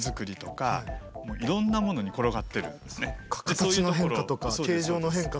形の変化とか形状の変化とか。